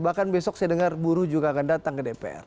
bahkan besok saya dengar buruh juga akan datang ke dpr